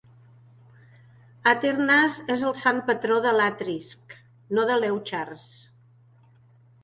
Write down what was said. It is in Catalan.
Athernase és el sant patró de Lathrisk, no de Leuchars.